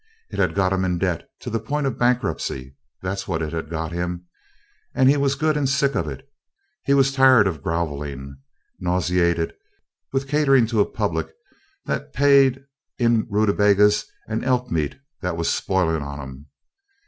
It had got him in debt to the point of bankruptcy that's what it had got him and he was good and sick of it! He was tired of grovelling nauseated with catering to a public that paid in rutabagas and elk meat that was "spoilin' on 'em."